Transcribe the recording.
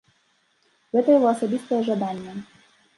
Гэта яго асабістае жаданне.